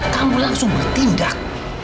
kamu langsung bertindak